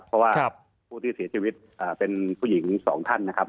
เพราะว่าผู้ที่เสียชีวิตเป็นผู้หญิงสองท่านนะครับ